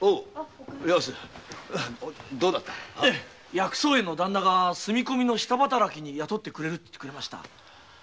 薬草園のダンナが住み込みの下働きに雇ってくれるって言ってくれました。